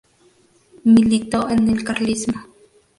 Militó en el carlismo.